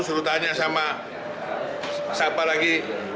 suruh tanya sama siapa lagi